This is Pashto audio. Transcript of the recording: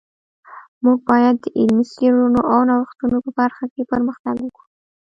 موږ باید د علمي څیړنو او نوښتونو په برخه کی پرمختګ ورکړو